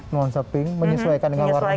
nuansa pink menyesuaikan dengan warna baju ya